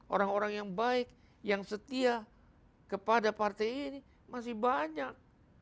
orang orang yang baik yang setia kepada partai ini masih banyak